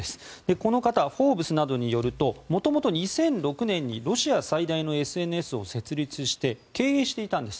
この方は「フォーブス」などによるともともと２００６年にロシア最大のＳＮＳを設立して経営していたんです。